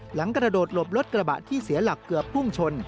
หลังกระโดดหลบรถกระบะที่เสียหลักเกือบพุ่งชน